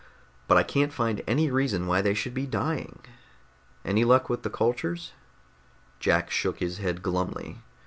But I can't find any reason why they should be dying. Any luck with the cultures?" Jack shook his head glumly.